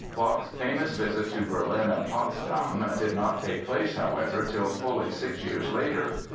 Bach's famous visit to Berlin and Potsdam did not take place, however, till fully six years later.